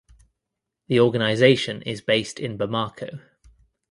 The organization is based in Bamako.